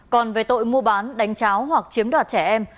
còn về tội mua bán đánh cháo hoặc chiếm đoạt trẻ em